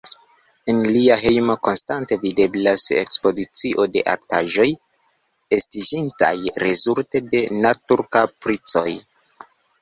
En lia hejmo konstante videblas ekspozicio de artaĵoj, estiĝintaj rezulte de naturkapricoj.